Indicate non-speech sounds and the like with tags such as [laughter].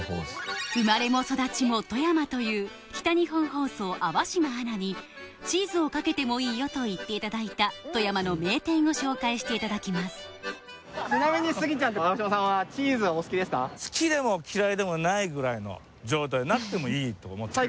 生まれも育ちも富山という北日本放送粟島アナに「チーズをかけてもいいよ」と言っていただいた富山の名店を紹介していただきますぐらいの状態なくてもいいと思ってる [laughs]